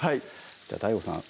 じゃあＤＡＩＧＯさん